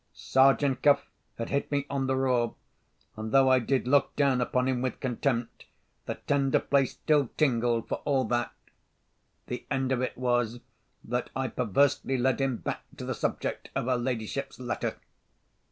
Sergeant Cuff had hit me on the raw, and, though I did look down upon him with contempt, the tender place still tingled for all that. The end of it was that I perversely led him back to the subject of her ladyship's letter.